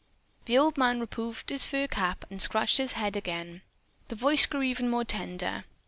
The old man removed his fur cap and scratched his gray head again. His voice grew even more tender.